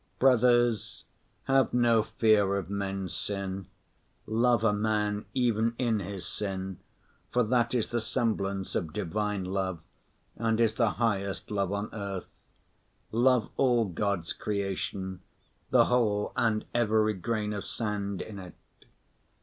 Brothers, have no fear of men's sin. Love a man even in his sin, for that is the semblance of Divine Love and is the highest love on earth. Love all God's creation, the whole and every grain of sand in it.